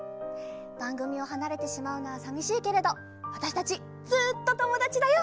ばんぐみをはなれてしまうのはさみしいけれどわたしたちずっとともだちだよ。